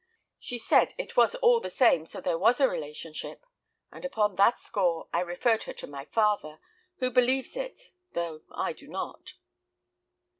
She said it was all the same so there was a relationship, and upon that score I referred her to my father, who believes it, though I do not."